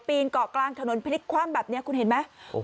นเกาะกลางถนนพลิกคว่ำแบบนี้คุณเห็นไหม